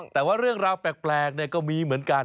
แต่ว่าเรื่องราวแปลกก็มีเหมือนกัน